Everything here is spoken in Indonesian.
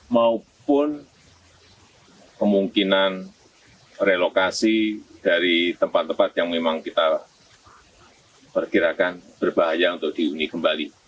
maupun kemungkinan relokasi dari tempat tempat yang memang kita perkirakan berbahaya untuk dihuni kembali